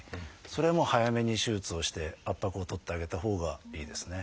それはもう早めに手術をして圧迫を取ってあげたほうがいいですね。